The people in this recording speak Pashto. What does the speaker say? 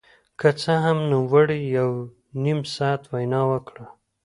که څه هم نوموړي یو نیم ساعت وینا وکړه